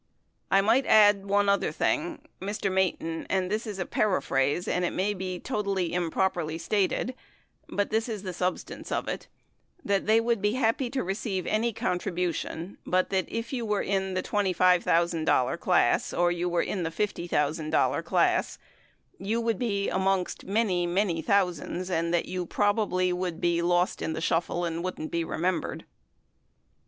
I might add one other thing, Mr. Mayton, and this is a paraphrase and it may be totally improperly stated, but this is the substance of it, that they would be happv to receive any contribution, but that if you were in the $25,000 class or if you were in the $50,000 class, you would be amongst many, many thousands, and that you probably Would be lost in the shuffle or wouldn't be remembered.